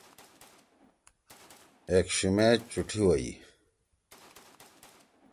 ایکشُمے چُھٹی ہوئی۔